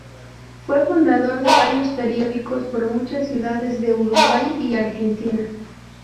Fue fundador de varios periódicos por muchas ciudades de Uruguay y Argentina.